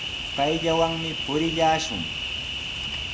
Payllawanmi purillashun.